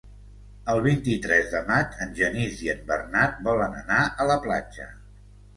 El vint-i-tres de maig en Genís i en Bernat volen anar a la platja.